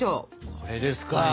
これですか？